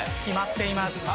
決まっています。